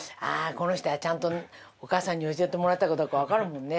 この人はちゃんとお母さんに教えてもらったかどうかわかるもんね。